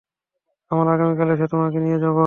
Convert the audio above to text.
আমরা আগামীকাল এসে তোমাকে নিয়ে যাব।